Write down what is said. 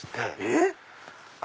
えっ⁉